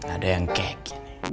ada yang kek